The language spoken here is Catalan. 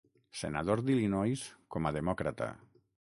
Senador d'Illinois com a demòcrata.